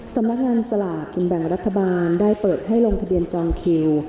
สำนักงานสลากกินแบ่งรัฐบาลได้เปิดให้ลงทะเบียนจองคิว